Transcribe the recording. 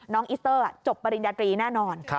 อิสเตอร์จบปริญญาตรีแน่นอน